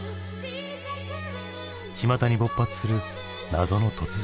ちまたに勃発する謎の突然死。